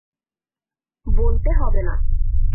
বলতে হবে না।